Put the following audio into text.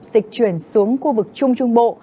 dịch chuyển xuống khu vực trung trung bộ